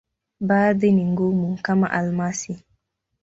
Baadhi ni ngumu, kama almasi.